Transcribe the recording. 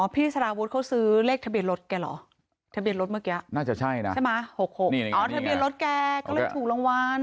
พี่สารวุฒิเขาซื้อเลขทะเบียนรถแกเหรอทะเบียนรถเมื่อกี้น่าจะใช่นะใช่ไหม๖๖อ๋อทะเบียนรถแกก็เลยถูกรางวัล